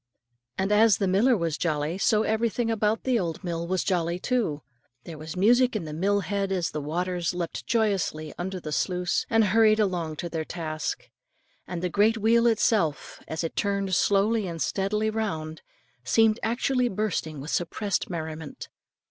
And as the miller was jolly, so everything about that old mill was jolly too. There was music in the mill lead as the waters leapt joyously from under the sluice, and hurried along to their task, and the great wheel itself, as it turned slowly and steadily round, seemed actually bursting with suppressed merriment.